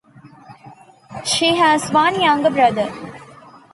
She has one younger brother.